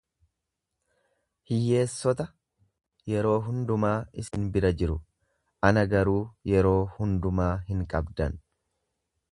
Hiyyeessota yeroo hundumaa isin bira jiru, ana garuu yeroo hundumaa hin qabdan.